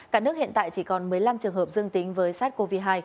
cả nước hiện tại chỉ còn một mươi năm trường hợp dương tính với sars cov hai